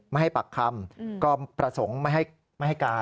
ไม่ให้ปากคำก็ประสงค์ไม่ให้การ